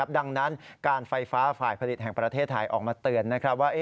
ดังนั้นการไฟฟ้าฝ่ายผลิตแห่งประเทศไทยออกมาเตือนว่า